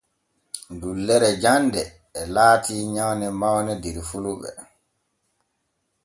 Dullere jande e laati nyawne mawne der fulɓe.